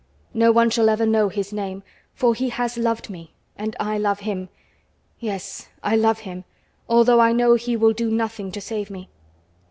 No one shall ever know his name, for he has loved me and I love him. Yes, I love him, although I know he will do nothing to save me!"